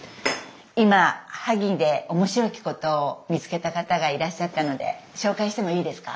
今萩でおもしろきことを見つけた方がいらっしゃったので紹介してもいいですか？